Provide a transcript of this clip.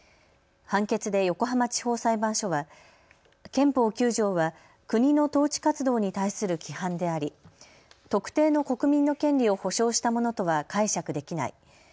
判決で横浜地方裁判所は憲法９条は国の統治活動に対する規範であり特定の国民の権利を保障したものとは解釈できない。